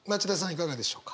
いかがでしょうか？